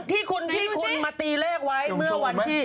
ที่คุณมาตีเลขไว้เมื่อวันที่